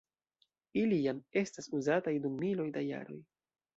Ili jam estas uzataj dum miloj da jaroj.